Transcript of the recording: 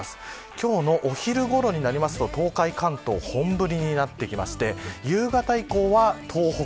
今日のお昼ごろになると東海と関東は本降りになってきて夕方以降は東北